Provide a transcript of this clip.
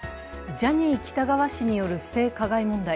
ジャニー喜多川氏による性加害問題。